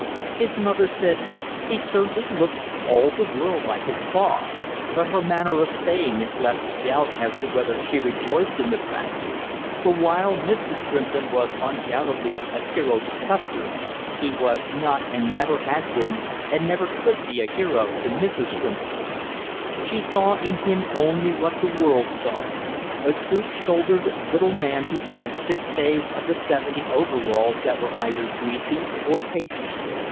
His mother said, "He certainly looks for all the world like his pa!" but her manner of saying it left doubt as to whether she rejoiced in the fact; for, while Mr. Shrimplin was undoubtedly a hero to Custer, he was not and never had been and never could be a hero to Mrs. Shrimplin. She saw in him only what the world saw a stoop shouldered little man who spent six days of the seven in overalls that were either greasy or pasty.